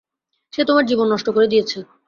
সে তোমার জীবন নষ্ট করে দিয়েছে।